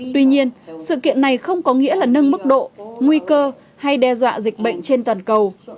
tuy nhiên sự kiện này không có nghĩa là nâng mức độ nguy cơ hay đe dọa dịch bệnh trên toàn cầu